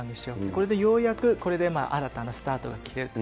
これでようやく、新たなスタートが切れると。